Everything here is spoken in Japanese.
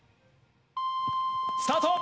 スタート！